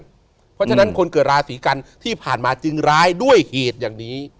เพราะฉะนั้นคนเกิดราศีกันที่ผ่านมาจึงร้ายด้วยเหตุอย่างนี้